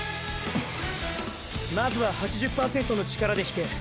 まずは８０％の力で引け。